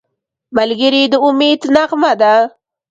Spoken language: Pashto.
ملګری د امید نغمه ده